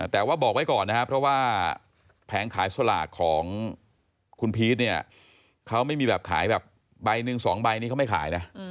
แต่ว่าบอกไว้ก่อนนะครับเพราะว่าแผงขายสลากของคุณพีชเนี่ยเขาไม่มีแบบขายแบบใบหนึ่ง๒ใบนี้เขาไม่ขายนะ